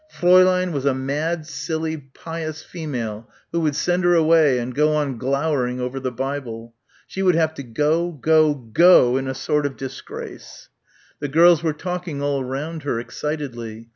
Fräulein was a mad, silly, pious female who would send her away and go on glowering over the Bible. She would have to go, go, go in a sort of disgrace. The girls were talking all round her, excitedly.